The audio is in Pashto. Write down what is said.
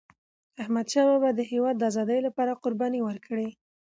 احمدشاه بابا د هیواد د آزادی لپاره قربانۍ ورکړي.